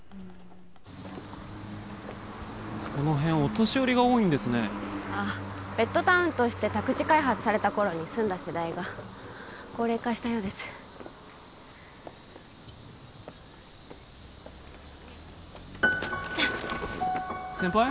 この辺お年寄りが多いんですねあっベッドタウンとして宅地開発された頃に住んだ世代が高齢化したようです先輩？